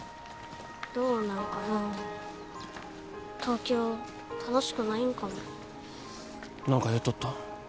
どうなんかな東京楽しくないんかも何か言っとった？